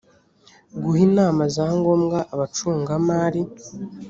guha inama za ngombwa abacungamari